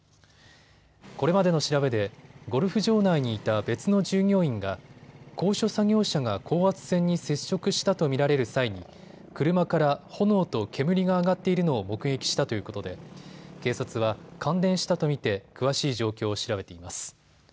これまでの調べでゴルフ場内にいた別の従業員が高所作業車が高圧線に接触したと見られる際に車から炎と煙が上がっているのを目撃したということで警察は感電したと見て詳しい状況を調べています。